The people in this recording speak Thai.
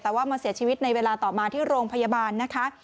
แต่ว่ามาเสียชีวิตในเวลาต่อมาที่โรงพยาบาลนะคะ